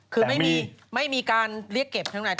คือไม่มีการเรียกเก็บทั้งใน